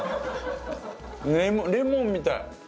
レモンみたい。